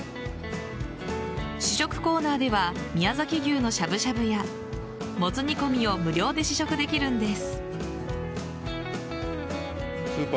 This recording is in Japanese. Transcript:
試食コーナーでは宮崎牛のしゃぶしゃぶやモツ煮込みを無料で試食できるんです。